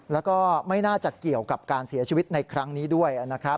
แล้วก็ไม่น่าจะเกี่ยวกับการเสียชีวิตในครั้งนี้ด้วยนะครับ